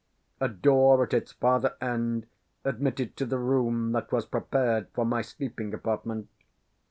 A door at its farther end admitted to the room that was prepared for my sleeping apartment.